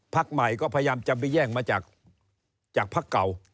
ใหม่ก็พยายามจะไปแย่งมาจากพักเก่า